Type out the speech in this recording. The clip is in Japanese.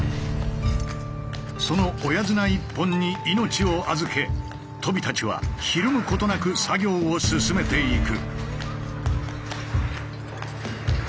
その親綱一本に命を預けとびたちはひるむことなく作業を進めていく。